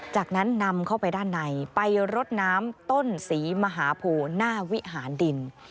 จากนั้นนำเข้าไปด้านในไปรดน้ำต้นศรีมหาโพหน้าวิหารดิน